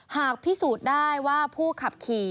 หากพิสูจน์ได้ว่าผู้ขับขี่